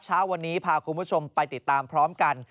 เช้าวันนี้พาคุณผู้ชมไปติดตามพร้อมกัน